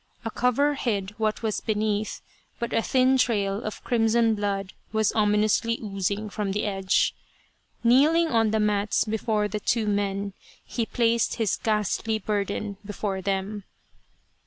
A cover hid what was beneath, but a thin trail of crimson blood was ominously oozing from the edge. Kneeling on the mats before the two men, he placed his ghastly burden before them.